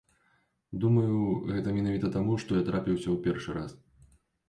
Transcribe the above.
Думаю, гэта менавіта таму, што я трапіўся ў першы раз.